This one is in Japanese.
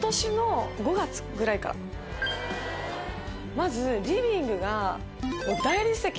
まずリビング。